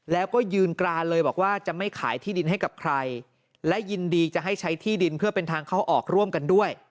แล้วก็ยืนกรานเลยบอกว่าจะไม่ขายที่ดินให้กับใครและยินดีจะให้ใช้ที่ดินเพื่อเป็นทางเข้าออกร่วมกันด้วย